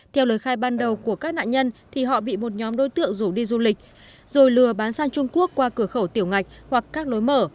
theo lời khai ban đầu của các nạn nhân thì họ bị một nhóm đối tượng rủ đi du lịch rồi lừa bán sang trung quốc qua cửa khẩu tiểu ngạch hoặc các lối mở